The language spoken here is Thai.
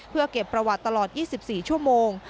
เพื่อเก็บประวัติตลอด๒๔ชั่วโมง